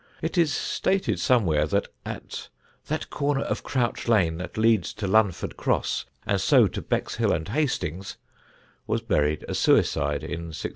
It is stated somewhere that at "that corner of Crouch Lane that leads to Lunford Cross, and so to Bexhill and Hastings," was buried a suicide in 1675.